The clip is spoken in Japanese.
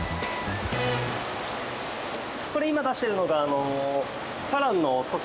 これ今出してるのが。